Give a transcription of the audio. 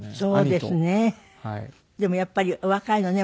でもやっぱりお若いのね。